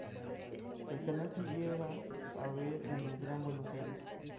El canal se llega a ver en el Gran Buenos Aires.